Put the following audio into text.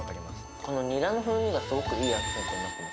このにらの風味がすごくいいアクセントになってます。